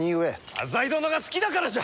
浅井殿が好きだからじゃ！